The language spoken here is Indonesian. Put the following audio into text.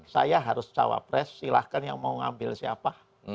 saya harus cawa pres silahkan yang mau ambil siapa